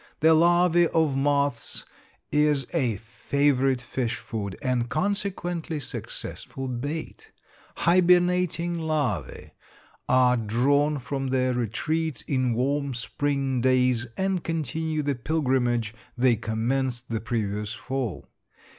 The larvae of moths is a favorite fish food, and consequently successful bait. Hibernating larvae are drawn from their retreats in warm spring days, and continue the pilgrimage they commenced the previous fall.